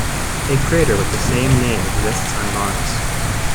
A crater with the same name exists on Mars.